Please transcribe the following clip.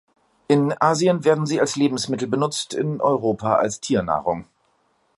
In Asien werden sie als Lebensmittel benutzt, in Europa als Tiernahrung.